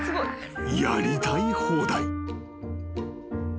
［やりたい放題］